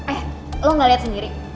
eh lo gak lihat sendiri